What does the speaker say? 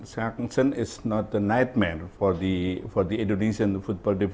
sanksi ini bukan petunjuk untuk pembangunan futbol indonesia